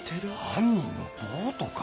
犯人のボートか？